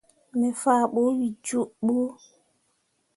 Me faa ɓu wǝ jooɓǝ.